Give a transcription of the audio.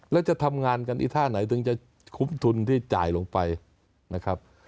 แล้วจะทำงานกันไอ้ท่าไหนถึงจะคุ้มทุนที่จ่ายลงไปนะครับ